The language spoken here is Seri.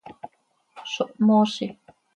¡Zo mhoozi!